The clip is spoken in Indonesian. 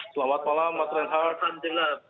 selamat malam mbak trenthal